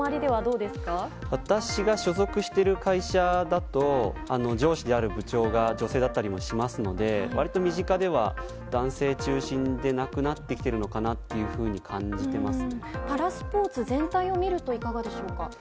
私が所属している会社だと上司である部長が女性だったりもするので割と身近では男性中心でなくなってきているのかなとパラスポーツ全体を見るといかがでしょうか。